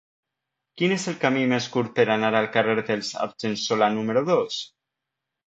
Quin és el camí més curt per anar al carrer dels Argensola número dos?